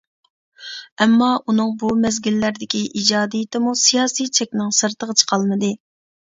ئەمما، ئۇنىڭ بۇ مەزگىللەردىكى ئىجادىيىتىمۇ سىياسىي چەكنىڭ سىرتىغا چىقالمىدى.